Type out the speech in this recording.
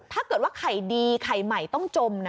ถ้าเกิดว่าไข่ดีไข่ใหม่ต้องจมนะ